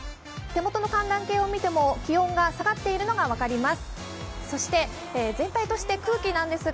手元の寒暖計を見ても気温が下がっているのが分かります。